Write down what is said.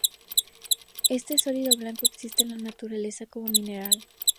Este sólido blanco existe en la naturaleza como mineral.